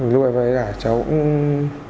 lúc đấy là cháu cũng